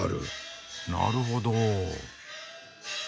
なるほど。